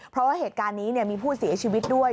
เพราะว่าเหตุการณ์นี้มีผู้เสียชีวิตด้วย